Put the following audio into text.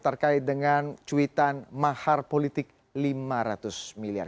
terkait dengan cuitan mahar politik lima ratus miliar